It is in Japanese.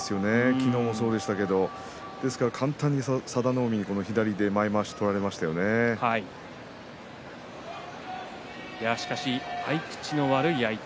昨日もそうでしたけど簡単に佐田の海の左で前まわしを合い口の悪い相手。